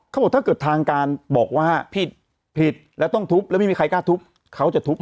เขาบอกว่าถ้าเกิดทางการบอกว่าผิดแล้วต้องทุบแล้วไม่มีใครกล้าทุบเขาจะทุบเอง